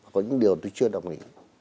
có những điều tôi chưa đồng ý